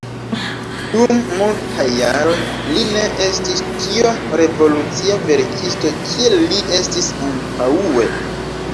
Dum multaj jaroj li ne estis tiom revolucia verkisto kiel li estis antaŭe.